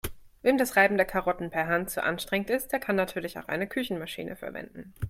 Wem das Reiben der Karotten per Hand zu anstrengend ist, der kann natürlich auch eine Küchenmaschine verwenden.